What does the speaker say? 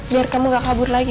biar kamu gak kabur lagi